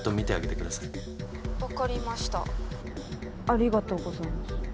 ありがとうございます。